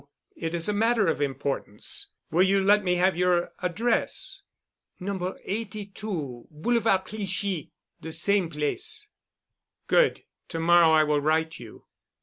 It is a matter of importance. Will you let me have your address——?" "No 82 Boulevard Clichy—de same place." "Good. To morrow I will write you."